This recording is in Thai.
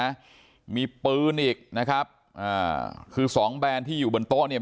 นะมีปืนอีกนะครับอ่าคือสองแบรนด์ที่อยู่บนโต๊ะเนี่ย